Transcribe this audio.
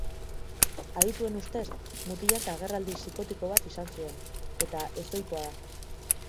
Adituen ustez, mutilak agerraldi psikotiko bat izan zuen, eta ezohikoa da.